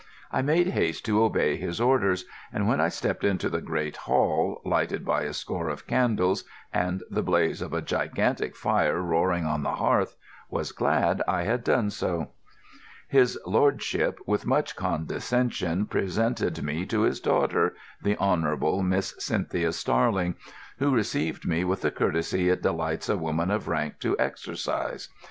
I made haste to obey his orders, and when I stepped into the great hall, lighted by a score of candles and the blaze of a gigantic fire roaring on the hearth, was glad I had done so. His lordship with much condescension presented me to his daughter, the Honourable Miss Cynthia Starling, who received me with the courtesy it delights a woman of rank to exercise.